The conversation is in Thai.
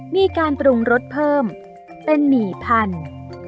มีการปรุงรสเพิ่มเป็นหมี่พันธุ์